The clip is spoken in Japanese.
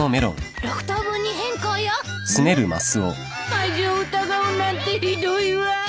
愛情疑うなんてひどいわ。